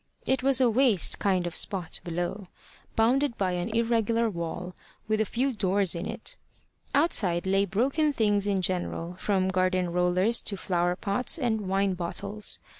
It was a waste kind of spot below, bounded by an irregular wall, with a few doors in it. Outside lay broken things in general, from garden rollers to flower pots and wine bottles.